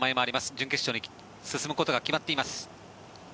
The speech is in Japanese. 準決勝に進むことが決まっています。